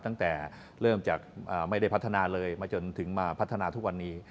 ตั้งแต่เริ่มจากไม่ได้พัฒนาเลยมาจนถึงมาพัฒนาทุกวันนี้